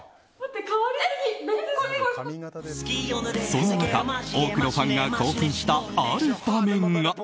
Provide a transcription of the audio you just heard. そんな中、多くのファンが興奮した、ある場面が。